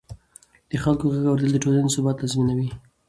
د خلکو غږ اورېدل د ټولنې ثبات تضمینوي